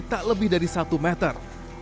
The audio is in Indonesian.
tak lebih dari satu meter